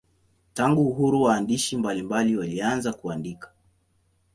Tangu uhuru waandishi mbalimbali walianza kuandika.